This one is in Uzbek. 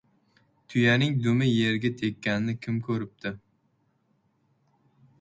• Tuyaning dumi yerga tekkanini kim ko‘ribdi?